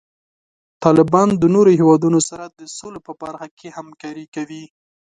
طالبان د نورو هیوادونو سره د سولې په برخه کې همکاري کوي.